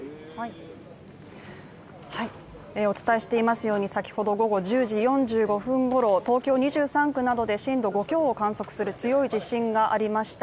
お伝えしていますように先ほど１０時４１分ごろ東京２３区などで震度５強を観測する強い地震がありました。